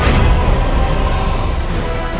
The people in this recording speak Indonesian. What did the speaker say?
assalamualaikum warahmatullahi wabarakatuh